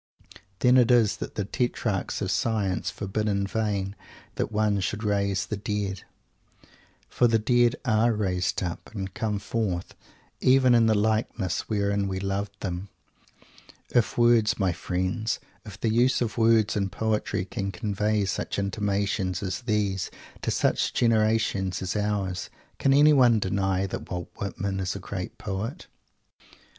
Then it is that the Tetrarchs of Science forbid in vain "that one should raise the Dead." For the Dead are raised up, and come forth, even in the likeness wherein we loved them! If words, my friends; if the use of words in poetry can convey such intimations as these to such a generation as ours, can anyone deny that Walt Whitman is a great poet?